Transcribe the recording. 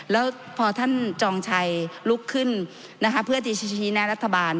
แล้วพอท่านจองชัยลุกขึ้นนะคะเพื่อที่จะชี้แนะรัฐบาล